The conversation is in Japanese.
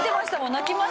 泣きましたよ」